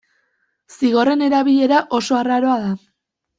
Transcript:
Zigorren erabilera oso arraroa da.